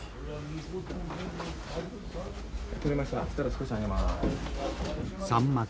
少し上げます。